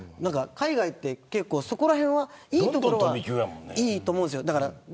海外は結構そこらへんはいいところはいいと思うんです。